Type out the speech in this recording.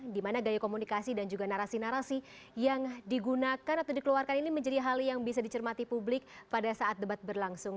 dimana gaya komunikasi dan juga narasi narasi yang digunakan atau dikeluarkan ini menjadi hal yang bisa dicermati publik pada saat debat berlangsung